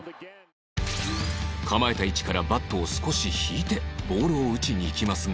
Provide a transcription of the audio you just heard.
構えた位置からバットを少し引いてボールを打ちにいきますが